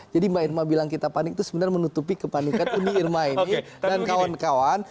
jadi mbak irma bilang kita panik itu sebenarnya menutupi kepanikan uni irma ini dan kawan kawan